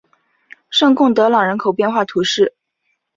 圣贡德朗人口变化图示